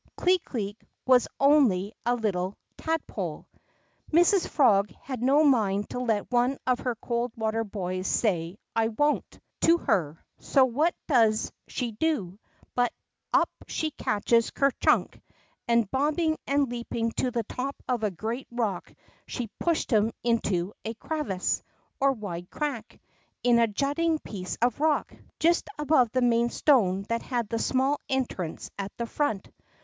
Clee Cleek was only a little tadpole." Mrs. Frog had no mind to let one of her cold water boys say I won't " to her, so what does she do, hut up she catches Ker Chunk, and bob bing and leaping to the top of a great rock, she pushed him into a crevice, or wide crack, in a jutting piece of rock just above the main stone that had the smiall entrance at the front.